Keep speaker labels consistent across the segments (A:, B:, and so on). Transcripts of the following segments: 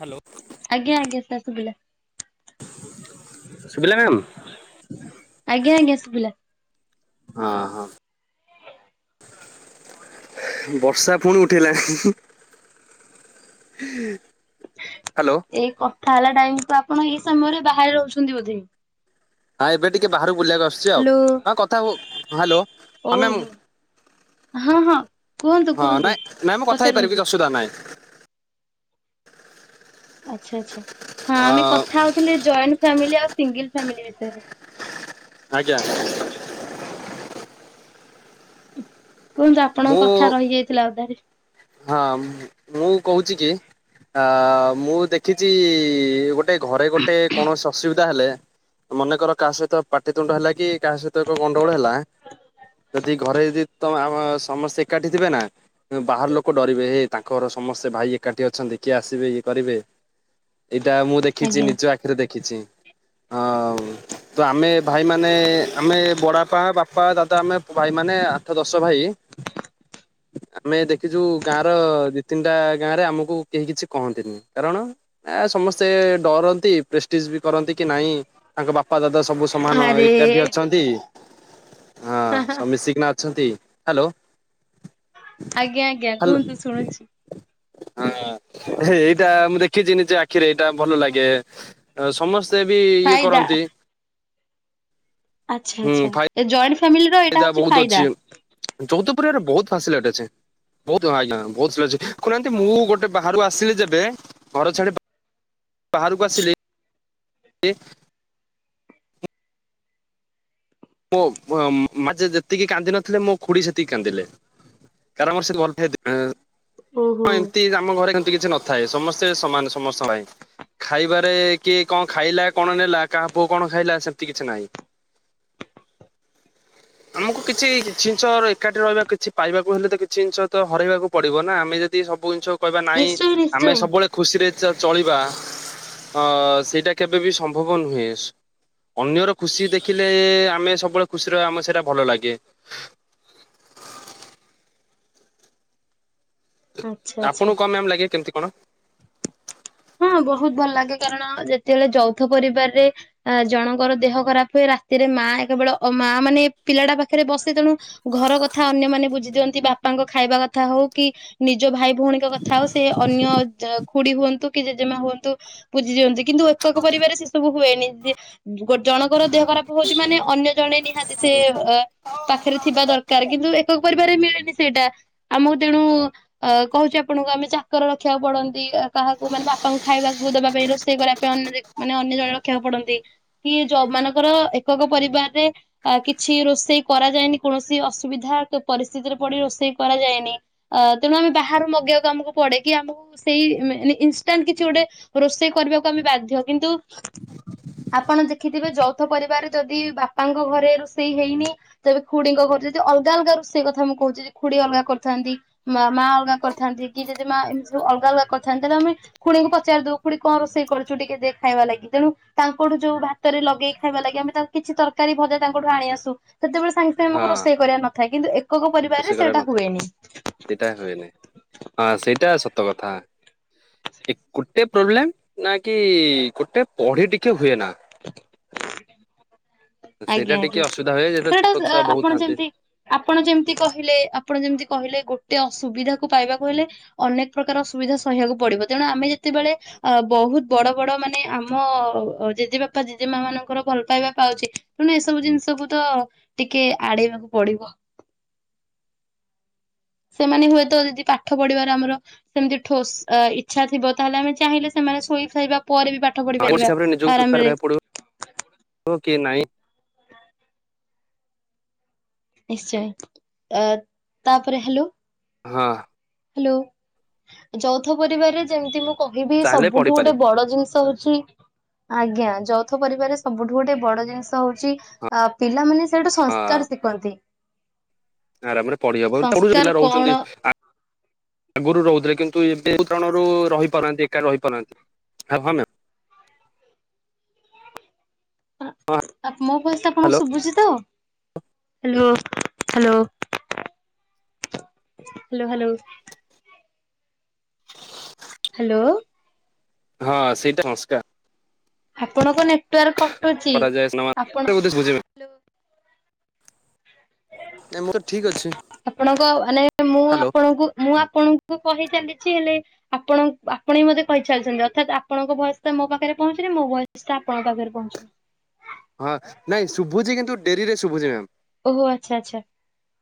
A: Hello.
B: ଆଜ୍ଞା ଆଜ୍ଞା ସାସୁଗିଲା
A: [inaudible]
B: ଆଜ୍ଞା ଆଜ୍ଞା ସୁବିଲା
A: ହଁ ହଁ ବର୍ଷା ପୁଣି ଉଠେଇଲାଣି ହ୍ୟାଲୋ
B: ଏଇ କ ତା ହେଲେ ଟାଇମକୁ ଆପଣ ଏଇ ସମୟରେ ବାହରେ ରହୁଛନ୍ତି ବୋଧେ
A: ହଁ ଏବେ ଟିକେ ବାହାର ବୁଲିବାକୁ ଆସୁଛି ଆଉ
B: ହ୍ୟାଲୋ
A: ହଁ କଥା ହୁଅ ହେଲୋ ହଁ ମ୍ୟାମ୍
B: ଓହୋ। ହଁ ହଁ କୁହନ୍ତୁ
A: ହଁ
B: କୁହନ୍ତୁ
A: ନାଇ ନାଇ ମୁଁ କଥା ହେଇପାରିବି
B: ପଚାରନ୍ତୁ।
A: କିଛି ଅସୁବିଧା ନାହିଁ। [inaudible]
B: ଆଛା ଆଛା ହଁ
A: ଅ
B: ଆମେ କଥା ହଉଥିଲେ ଜଏଣ୍ଟ ଫାମିଲି ଆଉ ସିଙ୍ଗଲ ଫାମିଲି ବିଷୟରେ।
A: ଆଜ୍ଞା। [inaudible]
B: [unintelligible] କୁହନ୍ତୁ
A: ମୁଁ
B: ଆପଣଙ୍କ କଥା ରହିଯାଇଥିଲା ଅଧାରେ।
A: ହଁ ମୁଁ କହୁଛି କି ଅ ମୁଁ ଦେଖିଛି। ଗୋଟେ ଘରେ ଗୋଟେ କୌଣସି ଅସୁବି ତା ହେଲେ ମନେକର କାହା ସହିତ ପାଟିତୁଣ୍ଡ ହେଲା କି କାହା ସହିତ ଏକ ଗଣ୍ଡଗୋଳ ହେଲା ଯଦି ଘରେ ତ ଆମ ସମସ୍ତେ ଏକାଠି ଥୀବେ ନା ବାକୁ କୁ ଡରିବେ ତାଙ୍କର ସମସ୍ତେ ଭାଇ ଏକାଠି ଅଛନ୍ତି କିଏ ଆସିବେ କିଏ କରିବେ। ଏଇଟା ମୁଁ ଦେଖିଚି
B: ଆଜ୍ଞା।
A: ନିଜ ଆଖିରେ ଦେଖିଚି। ହ ତ ଆମେ ଭାଇ ମାନେ ଆମେ ବଡଆପା ବାପା ଦାଦା ଆମେ ଭାଇ ମାନେ ଆଠ ଦଶ ଭାଇ ଆମେ କି ଯୋଉ ଗାଁ ର ଦି ତିନିଟା ଗାଁ ରେ ଆମକୁ କେହି କିଛି କହନ୍ତିନି କାରଣ ସମସ୍ତେ ଡରନ୍ତି ପ୍ରେଷ୍ଟିଜ ବି କରନ୍ତି କି ନାଇଁ ତାଙ୍କ ବାପା ଦାଦା ସବୁ ସମାନ
B: ଆରେ
A: ଏକାଠି ଅଛନ୍ତି। ହଁ
B: ହାଁ ହାଁ
A: ସବୁ ମୀଶିକନା ଅଛନ୍ତି। ହ୍ୟାଲୋ।
B: ଆଜ୍ଞା ଆଜ୍ଞା
A: ହ୍ୟାଲୋ
B: କୁହନ୍ତୁ ଶୁଣୁଛି।
A: ହଁ ହେ ଏଇଟା ମୁଁ ଦେଖିଛି ନିଜେ ଆଖିରେ ଏଇଟା ଭଲ ଲାଗେ ସମସ୍ତେ ସେ ବି ଇଏ
B: ଫାଇଦା
A: କରନ୍ତି।
B: ଆଚ୍ଛା
A: ହୁଁ
B: ଆଚ୍ଛା ଜଏ ଫ୍ୟାମିଲିର ଏଇଟା ହଉଚି ଫାଇଦା।
A: ପୂରା ର ବହୁତ ଫାସିଲେଟ ଅଛି ବହୁତ ହଁ ଆଜ୍ଞା ବହୁତ ଅଛି କୁନାହାନ୍ତି ମୁଁ ଗୋଟେ ବାହାରୁ ଆସିଲି ଯେବେ ଘର ଛାଡି ବାହାରକୁ ଆସିଲି ଇ ପୋ ମୋ ମାଝେ ଯେତିକି କାନ୍ଦିିନଥିଲେ ମୋ ଖୁଡି ସେତିକି କାନ୍ଦିଲେ କାରଣର ସେ [unintelligible]
B: ଓହୋ
A: ହଁ ଏମିତି ଆମ ଘ ସେ କିଛି ନଥାଏ ସମସ୍ତେ ସମାନ ସମସ୍ତ ପାଇଁ ଖାଇବାରେ କିଏ କଣ ଖାଇଲା କଣ ନେଲା କାହା ପୁଅ କଣ ଖାଇଲା ସେମିତି କିଛି ନାହିଁ। ଆମକୁ କିଛି କିଛି ଜିନିଷ ଏକାଠି ରହିବା କିଛି ପାଇବାକୁ ହେଲେ ତ କିଛି ଜିନିଷ ତ ହରାଇବାକୁ ପଡିବ ନା ଆମେ ଯଦି ସବୁ କହିବା ନାହିଁ
B: ନିଶ୍ଚୟ
A: ଆମେ
B: ନିଶ୍ଚୟ
A: ସବୁବେଳେ ଖୁସିରେ ଚଳିବା ଆଁ ସେଇଟା କେବେ ବି ସମ୍ଭବ ନୁହେଁ ଅନ୍ୟର ଖୁସି ଦେଖିଲେ। ଆମେ ସବୁବେଳେ ଖୁସି ରହୁ ଆମେ ସେଇଟା ଭଲ ଲାଗେ।
B: ଆଚ୍ଛା ଆଚ୍ଛା।
A: ଆପଣଙ୍କୁ କଣ ମ୍ୟାମ୍ ଲାଗେ? କଣ?
B: ହଁ ବହୁତ ଭଲ ଲାଗେ କାରଣ ଯେତେବେଳେ ଯୌଥ ପରିବାରରେ ଜଣଙ୍କର ଦେହ ଖରାପ ହୁଏ ରାତିରେ ମା କେବଳ ମା ମାନେ ପିଲାଟା ପାଖରେ ବସେ ତେଣୁ ଘର କଥା ଅନ୍ୟ ମାନେେ ବୁଝି ଦିଅନ୍ତି ବାପାଙ୍କ ଖାଇବା କଥା ହଉ କି ନିଜ ଭାଇ ଭଉଣୀଙ୍କ କଥା ଆଉ ସେ ଅନ୍ୟ ଖୁଡ଼ି ହୁଅନ୍ତୁ। କି ଜେଜେମା ହୁଅନ୍ତୁ ପୂଜି ଯେମତି କିନ୍ତୁ ଏକକ ପରିବାରେ ସେ ସବୁ ହୁଏନି। ଦେ ଗୋ ଜଣଙ୍କର ଦେହ ଖରାପ ହଉଛି ମାନେ ଅନ୍ୟ ଜଣେ ନିହାତି ସେ ଅ ପାଖରେ ଥିବା ଦରକାର କିନ୍ତୁ ଏକକ ପରିବାରେରେ ମିଳେନି। ସେଇଟା ଆମକୁ ତେଣୁ ଅ କହୁଛି ଆପଣଙ୍କୁ ଆମେ ଚାକର ରଖିବାକୁ ପଡନ୍ତି। ପୁଅ ମାନେ ବାପାଙ୍କୁ ଖାଇବାକୁ ଦେବା ପାଇଁ ରୋଷେଇ କରିବା ପାଇଁ ଅ ମାନେ ଅନ୍ୟ ଜଣେ ରଖିବାକୁ ପଡନ୍ତି କି ଯୋଉ ମାନଙ୍କର ଏକକ ପରିବାରରେ କିଛି ରୋଷେଇ କରାଯାଏନି କୌଣସି ଅସୁବିଧା ପରିସ୍ଥିତିରେ ପଡି ରୋଷେଇ କରାଯାଏନି ଅ ତେଣୁ ଆମେ ବାହାରୁ ମଗେଇବାକୁ ଆମକୁ ପଡେ କିି ଆମକୁ ସେଇ ଇନଷ୍ଟାଣ୍ଟ କିଛି ଗୋଟେ ରୋଷେଇ କରିବାକୁ ଆମେ ବାଧ୍ୟ କିନ୍ତୁ ଆପଣ ଦେଖିଥିବେ ଯୌଥ ପରିବାର ଯଦି ବାପାଙ୍କ ଘରେ ରୋଷେଇ ହେଇନି ତେବେ ଖୁଡିଙ୍କ ଘରେ ଯଦି ଅଲଗା ଅଲଗା ରୋଷେଇ କଥା ମୁଁ କହୁଛି ଯଦି ଖୁଡି ଅଲଗା କରିଥାନ୍ତି ମା ଅଲଗା କରିଥାନ୍ତି କି ଯଦି ମା ଏମିତି ସବୁ ଅଲଗା ଅଲଗା କରିଥାନ୍ତି ତାହେଲେ ଆମେ ଖୁଡିଙ୍କୁ ପଚାରି ଦଉ ଖୁଣି କଣ ରୋଷେଇ କରୁଛୁ ଟିକେ ଟେ ଖାଇବା ଲାଗି ତେଣୁ ତାଙ୍କଠୁ ଯୋଉ ଭାତରେ ଲଗେଇ ଖାଇବା ଲାଗି ଆମେ ତା କିଛି ତରକାରୀ ଭଜା ତାଙ୍କଠୁ ଆଣି ଆସୁ। ସେତେବେଳେ ସାଙ୍ଗେ ସାଙ୍ଗେ ଆମକୁ ରୋଷେଇ କରିବା ନଥାଏ। କିନ୍ତୁ ଏକକ
A: ରୋଷେଇ
B: ପରିବାରରେ
A: କରିବାକୁ
B: ସେଇଟା
A: ନଥାଏ
B: ହୁଏନି।
A: ସେଇଟା ହୁଏନିଁ ହଁ ସେଇଟା। କଥା ଏ ଗୋଟେ ପ୍ରୋବ୍ଲେମ ନା କି ଗୋଟେ ପଢି ଟିକେ ହୁଏ ନା।
B: [inaudible]
A: ସେଇଟା
B: ଆଜ୍ଞା
A: ଟିକେ
B: ଆଜ୍ଞା
A: ଅସୁବିଧା ହୁଏ ଯେତେ ଛୋଟ
B: ସେଟା
A: ଛୁଆ ବହୁତ
B: ଆପଣ
A: ଥାନ୍ତି
B: ଯେମତି ଆପଣ ଯେମିତି କହିଲେ ଆପଣ ଯେମିତି କହିଲେ ଗୋଟେ ସୁବିଧା କୁ ପାଇବାକୁ ହେଲେ ଅନେକ ପ୍ରକାର ସୁୁବିଧା ସହିବାକୁ ପଡିବ ତେଣୁ ଆମେ ଯେତେବେଳେ ଅ ବହୁତ ବଡ ବଡ ମାନେ ଆମ ଜେଜେ ବାପା ଜେଜେ ମା ମାନଙ୍କର ଭଲ ପାଇବା ପାଉଛି। ତେଣୁ ଏସବୁ ଜିନିଷକୁ ତ ଟିକେ ଆଡେଇବାକୁ ପଡିବ। ସେମାନେ ହୁଏତ ଯଦି ପାଠ ପଢିବାର ଆମର ସେମିତି ଠୋସ ଇଚ୍ଛା ଥିବ ତାହେଲେ ଆମେ ଚାହିଁଲେ ସେମାନେ ଶୋଇ ଫାଇବା ପରେ ବି ପାଠ ପଢି ପାରିବା
A: ହିସାବରେ ନିଜକୁ ପ୍ରିପେୟାର
B: ଆରାମରେ
A: କରିବାକୁ ପଡିବ କି ନାହିଁ।
B: ନିଶ୍ଚୟ ଅ ତାପରେ ହ୍ୟାଲୋ
A: ହଁ
B: ହ୍ୟାଲୋ ଯୌଥ ପରିବାରରେ ଯେମିତି ମୁଁ କହିବି
A: ଚାହିଁଲେ
B: ସବୁଠୁ ଗୋଟେ
A: ପଢିପାରିବ
B: ବଡ ଜିନିଷ ହଉଛି ଆଜ୍ଞା ଯୌଥ ପରିବାରରେ ସବୁଠୁ ଗୋଟେ ବଡ ଜିନିଷ ହଉଛି
A: ହଁ।
B: ଅ ପିଲାମାନେ ସେଠୁ
A: ହଁ
B: ସଂସ୍କାର ଶିଖନ୍ତି।
A: ଆରାମରେ ପଢି ହବ [unintelligible] ଜିଲ୍ଲା
B: ସଂସ୍କାର
A: ରେ
B: କଣ
A: ରହୁଛନ୍ତି। ଆଗରୁ ରହୁଥିଲେ କିନ୍ତୁ ଏଉଣରୁ ରହିପାରୁନାହାନ୍ତି ଏକା ରହିପାରୁନାହାନ୍ତି ହ
B: ଆ ମୋ ଭସଏସ ଟା ଆପଣଙ୍କୁ
A: ହ୍ୟାଲୋ
B: ଶୁଭୁଛି ତ? Hello hello hello hello. Hello.
A: ହଁ ସେଇଟା ସଂସ୍କାର।
B: ଆପଣଙ୍କ ନେଟୱାର୍କ। କଟୁଛି
A: କରାଯାଏ
B: ଆପଣ
A: ଦିନମାନ [inaudible] ବୁଝେଇବ ଏ ମୁଁ ତ ଠିକ ଅଛି।
B: ଆପଣଙ୍କ ମାନେ ମୁଁ
A: ହ୍ୟାଲୋ
B: ଆପଣଙ୍କୁ ମୁଁ ଆପଣଙ୍କୁ କହି ଚାଲି ହେଲେ ଆପଣ ଆପଣ ହି ମତେ କହିଚାଲିଛନ୍ତି। ଅର୍ଥାତ ଆପଣଙ୍କ ବୟସ ଟା ମୋ ପାଖରେ ପହଞ୍ଚୁନି ମୋ ବୟସ ଟା ଆପଣଙ୍କ ପାଖରେ ପହଞ୍ଚୁନି।
A: ହଁ ନାଇଁ ଶୁଭୁଜ କିନ୍ତୁ ଡେରିରେ ଶଭୁ ଏବେ
B: ଓହୋ ଆଚ୍ଛା ଆଚ୍ଛା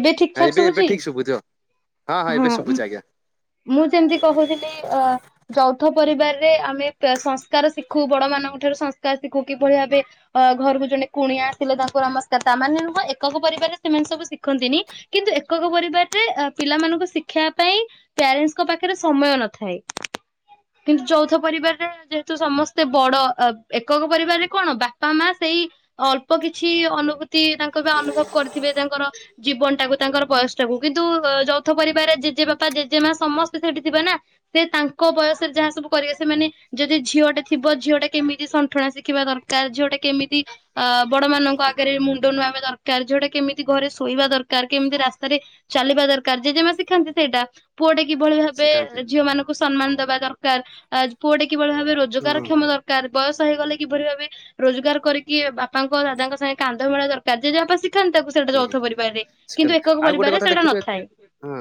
B: ଏବେ ଠିକ୍ ଠାକ୍
A: ଏବେ
B: ଶୁଭୁଛି?
A: ଠିକ ଶୁଭୁଛ ହଁ ହଁ ଏବେ ଶୁଭୁଛି ଆ୍ଞା
B: ମୁଁ ଯେମତି କହୁଥିଲି ଅ ଯୌଥ ପରିବାରରେ ଆମେ ସଂସ୍କାର ଶିଖୁ ବଡ ମାନଙ୍କ ଠାରୁ ସଂସ୍କାର ଶିଖୁ କିଭଳି ଭାବେ ଅ ଘରକୁ ଜଣେ କୁଣିଆ ଆସିଲେ ତାଙ୍କୁ ନମସ୍କାର ତାମାନେ ନୁହଁ ଏକକ ପରିବାରରେ ସେମାନେ ସବୁ ଶିଖନ୍ତିନି କିନ୍ତୁ ଏକକ ପରିବାରରେ ପିଲାମାନଙ୍କୁ ଶିଖିବା ପାଇଁ। ପ୍ୟାରେଣ୍ଟସ୍ଙ୍କ ପାଖରେ ସମୟ ନଥାଏ କିନ୍ତୁ ଯୌଥ ପରିବାରରେ ଯେହେତୁ ସମସ୍ତେ ବଡ ଏକକ ପରିବାରରେ କଣ ବାପା ମା ସେଇ ଅଳ୍ପ କିଛି ଅନୁଭୂତି ତାଙ୍କ ବା ଅନୁଭବ କରିଥିବେ ତାଙ୍କର ଜୀବନ ଟାକୁ ତାଙ୍କର ବୟସ ଟାକୁ କିନ୍ତୁ ଯୌଥ ପରିବାରରେ ଜେଜେ ବାପା ଯେମା ସମସ୍ତେ ସେଠି ଥିବ ନା ସେ ତାଙ୍କ ବୟସରେ ଯାହା ସବୁ କରିବେ ସେମାନେ ଯଦି ଝିଅଟା ଥିବ ଝିଅଟା କେମିତି ଶଣ୍ଠଣା ଶିଖିବା ଦରକାର ଝିଅଟା କେମିତି ଅ ବଡ ମାନଙ୍କ ଆଗରେ ମୁଣ୍ଡ ନୁଆବା ଦରକାର ଝିଅଟା କେମିତି ଘରେ ଶୋଇବା ଦରକାର କେମିତି ରାସ୍ତାରେ ଚାଲିବା ଦରକାର ଯେେମା ଶିଖାନ୍ତି ସେଇଟା। ପଡ଼ି- କିଭଳି ଭାବେ
A: ଶ୍ରୀକାନ୍ତି
B: ଝିଅ ମାନଙ୍କୁ ସମ୍ମାନ ଦେବା ଦରକାର ଆ ପୁଡେ କିଭଳି ଭାବେ ରୋଜଗାର
A: ହୁଁ
B: କ୍ଷମ ଦରକାର ବୟସ୍ ହେଇଗଲେ କିଭଳି ଭାବେ ରୋଜଗାର କରିକି ବାପାଙ୍କ ଦାଦାଙ୍କ ସାଙ୍ଗେ କାନ୍ଧ ମିଲେଇବା ଦରକାର ଯେଯା ଥାନ୍ତି ତାକୁ ସେଇଟା ଯୌଥ ପରିବାରରେ କିନ୍ତୁ
A: ଶ୍ରୀକାନ୍ତି
B: ଏକକ
A: ଆଉ ଗୋଟେ
B: ପରିବାରରେ
A: କଥା
B: ସେଇଟା
A: ଦେଖିଥିବେ
B: ନଥାଏ।
A: ହଁ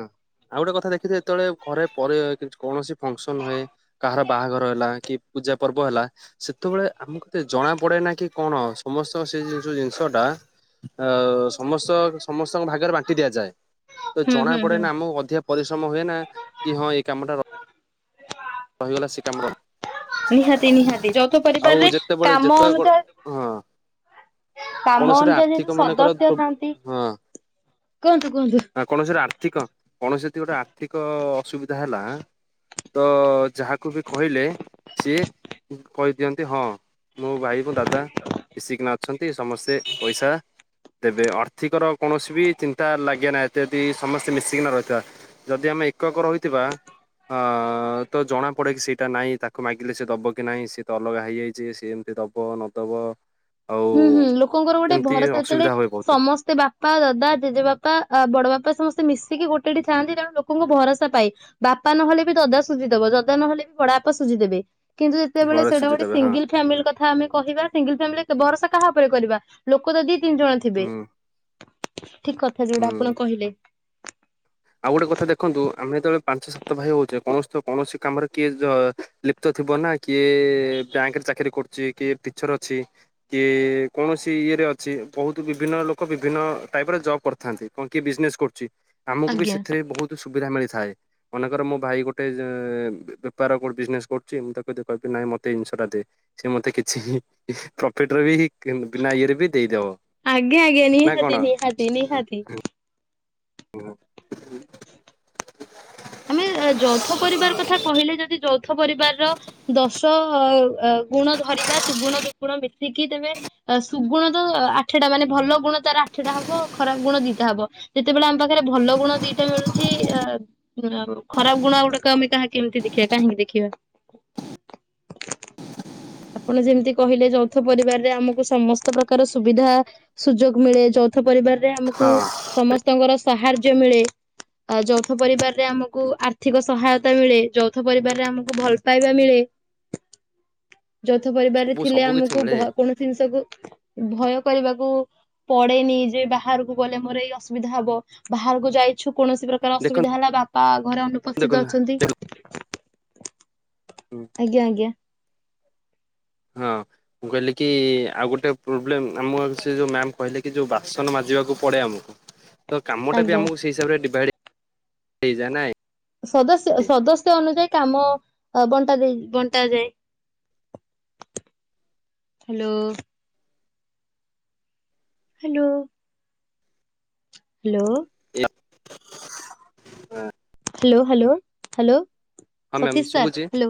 A: ଆଉ ଗୋଟେ କଥା ଦେଖିଥିବେ ଯେତେବେଳେ ଘରେ ପରେ କୌଣସି ଫଙ୍କସନ ହୁଏ କାହାର ବାହାଘର ହେଲା କି ପୂଜା ପର୍ବ ହେଲା ସେତେବେଳେ ଆମକୁତେ ଜଣା ପଡେ ନା କି କଣ ସମସ୍ତ ସେ ଯୋ ଜିନିଷଟା ଅ ସମସ୍ତ ସମସ୍ତଙ୍କ ଭାଗରେ ବାଣ୍ଟି ଦିଆଯାଏ। ତ
B: ହୁଁ
A: ଜଣା
B: ହୁଁ
A: ପଡେ
B: ହୁଁ
A: ନା ଆମକୁ ଅଧିକା ପରିଶ୍ରମ ହୁଏ ନା କି ହଁ ଏଇ କାମଟା ର ରହିଗଲା ସେ କାମର
B: ନିହାତି ନିହାତି ଯୌଥ ପରିବାରରେ
A: ଯେତେବେଳେ
B: କାମ
A: ଯେତେବେଳେ ହଁ
B: ଅନୁଯାୟୀ କାମ
A: କୌଣସି ଗୋଟେ
B: ଅନୁଯାୟୀ
A: ଆର୍ଥିକ
B: ଯେହେତୁ
A: ମନେକର
B: ସଦସ୍ୟ ଥାନ୍ତି
A: ହଁ
B: କୁହନ୍ତୁ କୁହନ୍ତୁ।
A: କୌଣସି ଗୋଟେ ଆର୍ଥିକ କୌଣସି ଗୋଟେ ଆର୍ଥିକ ଅସୁବିଧା ହେଲା ତ ଯାହାକୁ ବି କହିଲେ ସିଏ କହିଦିଅନ୍ତି ହଁ ମୋ ଭାଇ ମୋ ଦାଦା ମିଶିକିନା ଅଛନ୍ତି ସମସ୍ତେ ପଇସା ଦେବେ ଆର୍ଥିକର କୌଣସି ବି ଚିନ୍ତା ଲାଗେ ନା ଯଦି ସମସ୍ତେ ମିଶିକିନା ରହିଥିବା ଯଦି ଆମେ ଏକକ ରହିଥିବା ଅ ଜଣା ପଡେ କି ସେଇଟା ନାହିଁ ତାକୁ ମାଗିଲେ ସେ ଦବ କି ନାହିଁ ସିଏ ତ ଅଲଗା ହେଇଯାଇଛି ସିଏ ଏମିତି ଦବ ନଦବ। ଆଉ
B: ହୁଁ ହୁଁ ଲୋକଙ୍କର ଗୋଟେ
A: ଏମିତି
B: ଭରସା ଯେତେବେଳେ
A: ଅସୁବିଧା ହୁଏ ବହୁତ।
B: ସମସ୍ତେ ବାପା ଦାଦା ଜେଜେବାପା ବଡବାପା ସମସ୍ତେ ମିଶିକି ଗୋଟେଠି ଥାଆନ୍ତି ତେଣୁ ଲୋକଙ୍କୁ ଭରସା ପାଏ ବାପା ନହେଲେ ବି ଦଦା ସୁଝିଦବ ଦଦା ନହଲେ ବି ବଡା ବାପା ସୁଝିଦେବେ। କିନ୍ତୁ ଯେତେବେଳେ
A: ଝୁଆର
B: ସେଇଟା
A: ସୁଜି
B: ଗୋଟ
A: ଦେବେ ହଁ
B: ସିଙ୍ଗିଲ ଫ୍ୟାମିଲି କଥା ଆମେ କହିବା ସିଙ୍ଗିଲ ଫ୍ୟାମିଲି ଭରସା କାହା ଉପରେ କରିବା ଲୋକ ଯଦି ତିନି ଜଣ ଥିବେ।
A: ହୁଁ
B: ଠିକ କଥା ଯୋଉଟା
A: ହୁଁ।
B: ଆପଣ କହିଲେ।
A: ଆଉ ଗୋଟେ କଥା ଦେଖନ୍ତୁ ଆମେ ଯେତେବେଳେ ପାଞ୍ଚ ସାତ ଭାଇ ହଉଛେ। କୌଣସି କୌଣସି କାମରେ କିଏ ଲିପ୍ତ ଥିବ ନା କିଏ ବ୍ୟାଙ୍କରେ ଚାକିରି କରୁଛି କିଏ ଟିଚର ଅଛି କିଏ କୌଣସି ଇଏରେ ଅଛି ବହୁତ ବିଭିନ୍ନ ଲୋକ ବିଭିନ୍ନ ଟାଇପର ଜବ କରିଥାନ୍ତି କଣ କିଏ ବିଜନେସ କରୁଛି। ବି
B: ଆଜ୍ଞା।
A: ସେଥିରେ ବହୁତ ସୁବିଧା ମିଳି ଥାଏ ମନେକର ମୋ ଭାଇ ଗୋଟେ ବେପାର ବିଜନେସ କରୁଛି ମୁଁ ତାକୁ କହିବି ନାଇଁ ମତେ ଇନ୍ସୁରାସ ଦେ ସିଏ ମତେ କିଛି ପ୍ରଫିଟରେ ବି ବିନା ଇଏରେ ବି ଦେଇଦବ
B: ଆଜ୍ଞା ଆଜ୍ଞା
A: ନା
B: ନିହାତି
A: କଣ?
B: ନିହାତି ନିହାତି।
A: [inaudible] [inaudible]
B: ଆମେ ଯୌଥ ପରିବାର କଥା କହିଲେ ଯଦି ଯୌ ଥ ପରିବାରର ଦଶ। ଗୁଣ ଧରିବା ସୁଗୁଣ ଦୁର୍ଗୁଣ ବି ସେ କିି ତେବେ ଅ ସୁଗୁଣ ତ ଆଠଟା ମାନେ ଭଲ ଗୁଣ ତାର ଆଠଟା ହବ ଖରାପ ଗୁଣ ଦିଟା ହବ ଯେତେବେଳେ ଆମ ପାଖରେ ଭଲ ଗୁଣ ଦିଟା ମିଳୁଛି ଅ ଖରାପ ଗୁଣ ଗୁଡାକ ଆମେ କାହା କେମିତି ଦେଖିବା କାହିଁକି ଦେଖିବା ଆପଣ ଯେମିତି କହିଲେ ଯୌଥ ପରିବାରରେ ଆମକୁ ସମସ୍ତ ପ୍ରକାର ସୁବିଧା ସୁଯୋଗ ମିଳେ ଯୌଥ ପରିବାର। ଆମକୁ
A: ହଁ
B: ସମସ୍ତଙ୍କର ସାହାର ସହାଯ୍ୟ ମିଳେ ଆ ଯୌଥ ପରିବାର। ରେ ଆମକୁ ଆର୍ଥିକ ସହାୟତା ମିଳେ ଯୌଥ ପରିବାରରେ ଆମକୁ ଭଲ। ପାଇବା ମିଳେ। ଯୌଥ ପରିବାରରେ
A: ସବୁ
B: ଥିଲେ
A: ସବୁ କିଛି
B: ଆମକୁ
A: ମିଳେ
B: ଭ କୌଣସି ଜିନିଷକୁ ଭ ଚିନ୍ତା କରିବାକୁ ପଡେନି ଯେ ବାହାରକୁ ଗଲେ ମୋର ଏଇ ଅସୁବିଧା ହବ ବାହାରକୁ ଯାଇଛୁ। କୌଣସି ପ୍ରକାର ଅସୁବିଧା
A: ଦେଖନ୍ତୁ
B: ହେଲା ବା। ବା ଘରେ ଅନୁପସ୍ଥିତ
A: ଦେଖନ୍ତୁ
B: ଅଛନ୍ତି।
A: ହୁଁ।
B: ଆଜ୍ଞା ଆଜ୍ଞା।
A: ହଁ ମୁଁ କହିଲି କି ଆଉ ଗୋଟେ ପ୍ରୋବ୍ଲେମ ଆମ ସେ ଯୋଉ ମ୍ୟାମ କହିଲେ କି ଯୋଉ ବାସନ ମାଜିବାକୁ ପଡେ ଆମକୁ। ତ କାମ ଟା ବି
B: ଆଜ୍ଞା
A: ଆମକୁ ସେ ହିସାବରେ ଡିଭାଇଡ। ସେଇ ଜା ନାଇ।
B: ସଦସ୍ୟ ସଦସ୍ୟ ଅନୁଯାୟୀ। କାମ ବଣ୍ଟା ଦେଇ ବଣ୍ଟା ଯାଏ। ହ୍ୟାଲୋ। ହ୍ୟାଲୋ। ହ୍ୟାଲୋ।
A: ହ୍ଯାଲୋ ହଁ।
B: Hello hello hello.
A: ହଁ ମ୍ୟାମ୍
B: ସତୀଶ ସାର୍
A: ଶୁଭୁଛି
B: ହ୍ୟାଲୋ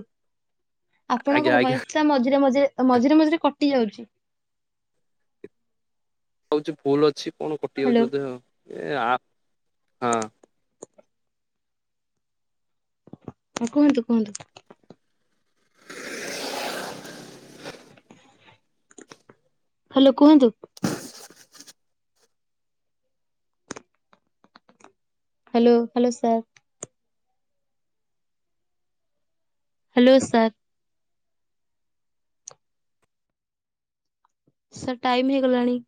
A: ଆଜ୍ଞା
B: ଆପଣଙ୍କ
A: ଆଜ୍ଞା
B: ଭଏସ୍ ଟା ମଝିରେ ମଝିରେ। ତ ମଝିରେ ମଝିରେ କଟି ଯାଉଛି।
A: ହଉଛି ଭୁଲ ଅଛି। କଟିଯାଉଛି
B: ହ୍ୟାଲୋ।
A: ବୋଧେ ଏ ଆପ୍ ହଁ।
B: ହଁ କୁହନ୍ତୁ କୁହନ୍ତୁ। ହ୍ୟାଲୋ, କୁହନ୍ତୁ। Hello, hello sir. Hello sir. Sir time ହେଇଗଲାଣି।